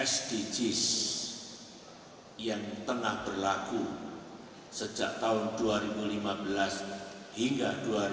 sdgs yang tengah berlaku sejak tahun dua ribu lima belas hingga dua ribu dua puluh